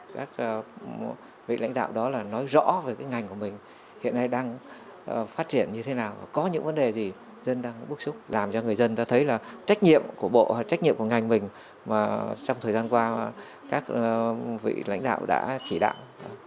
các vị lãnh đạo đó là nói rõ về cái ngành của mình hiện nay đang phát triển như thế nào và có những vấn đề gì dân đang bức xúc làm cho người dân ta thấy là trách nhiệm của bộ trách nhiệm của ngành mình mà trong thời gian qua các vị lãnh đạo đã chỉ đạo